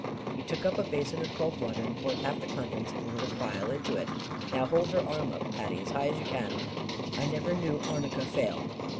He took up a basin of cold water, and poured half the contents of the little phial into it. "Now hold her arm up, Patty, as high as you can. I never knew arnica fail."